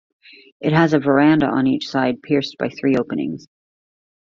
It has a verandah on each side pierced by three openings.